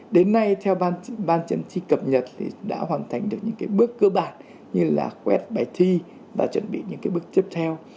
đến nay theo ban chấm thi cập nhật thì đã hoàn thành được những bước cơ bản như là quét bài thi và chuẩn bị những bước tiếp theo